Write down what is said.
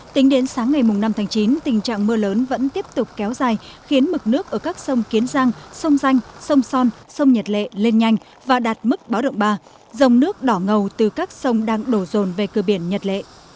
tính đến sáng ngày năm tháng chín tình trạng mưa lớn vẫn tiếp tục kéo dài khiến mực nước ở các sông kiến giang sông danh sông son sông nhật lệ lên nhanh và đạt mức báo động ba dòng nước đỏ ngâu từ các sông đang đổ rồn về cơ biển nhật lệ